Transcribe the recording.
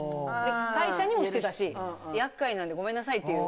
会社にもしてたし厄介なんで、ごめんなさいって。